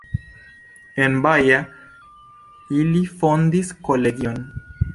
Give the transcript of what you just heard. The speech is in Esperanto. En Baja ili fondis kolegion.